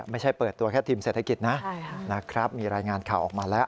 ไม่ใช่เปิดตัวแค่ทีมเศรษฐกิจนะนะครับมีรายงานข่าวออกมาแล้ว